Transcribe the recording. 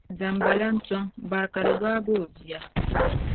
zambalan' tɔŋ bari ka di gbaai o bia.